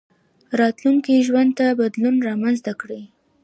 راتلونکي ژوند ته بدلون رامنځته کړئ.